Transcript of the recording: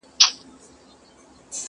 خو د عقل څښتن کړی یې انسان دی!!